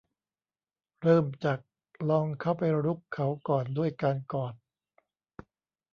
เริ่มจากลองเข้าไปรุกเขาก่อนด้วยการกอด